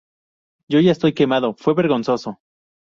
Yo ya estoy quemado", fue vergonzoso".